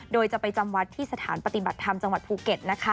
โดยจะไปจำวัดที่สถานปฏิบัติธรรมจังหวัดภูเก็ตนะคะ